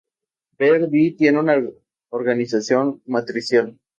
Ver.di tiene una organización matricial.